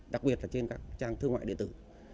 đặc biệt là trên các trang thương ngoại địa tử